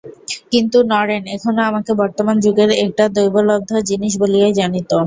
কিন্তু, নরেন এখনো আমাকে বর্তমান যুগের একটা দৈবলব্ধ জিনিস বলিয়াই জানিত।